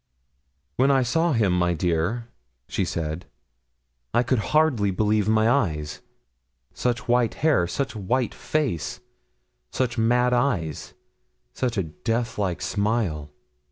'When I saw him, my dear,' she said, 'I could hardly believe my eyes; such white hair such a white face such mad eyes such a death like smile.